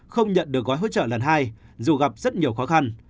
không nhận được gói hỗ trợ lần hai dù gặp rất nhiều khó khăn